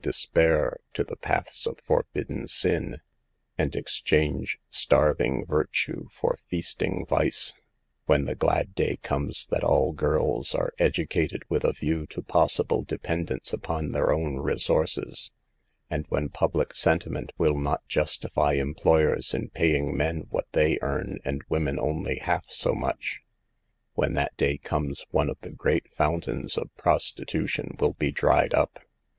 despair, to the paths of forbidden sin, and exchange starving virtue for feasting vice. When the glad day comes that all girls are educated with a view to possible dependence upon their own resources, and when public sentiment will not justify employers in paying men what they earn and women only half so much; when that day comes one of the great fountains of prostitution will be dried up.